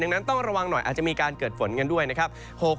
ดังนั้นต้องระวังหน่อยอาจจะมีการเกิดฝนกันด้วยนะครับ